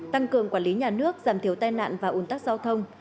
tăng cường quản lý nhà nước giảm thiểu tai nạn và ủn tắc giao thông